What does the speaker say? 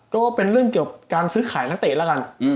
ก็ว่าเป็นเรื่องเกี่ยวกับการซื้อขายนักเตะแล้วกัน